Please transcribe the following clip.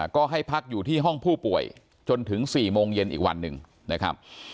ก็ให้พักอยู่ที่ห้องผู้ป่วยจนถึง๔โมงเย็นอีกวันหนึ่งนะครับ